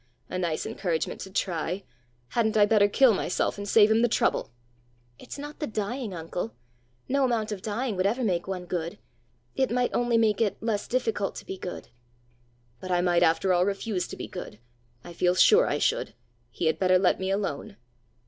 A nice encouragement to try! Hadn't I better kill myself and save him the trouble!" "It's not the dying, uncle! no amount of dying would ever make one good. It might only make it less difficult to be good." "But I might after all refuse to be good! I feel sure I should! He had better let me alone!"